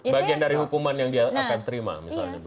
bagian dari hukuman yang dia akan terima misalnya